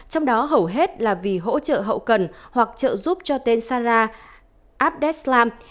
trong đó hầu hết là vì hỗ trợ hậu cần hoặc trợ giúp cho tên sarah abdeslam